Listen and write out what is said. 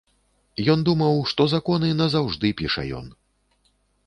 Ён думаў, што законы назаўжды піша ён.